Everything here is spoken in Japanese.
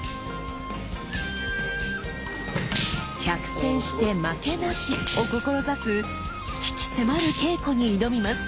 「百戦して負けなし」を志す鬼気迫る稽古に挑みます！